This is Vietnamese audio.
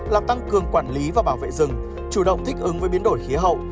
là tăng cường quản lý và bảo vệ rừng chủ động thích ứng với biến đổi khí hậu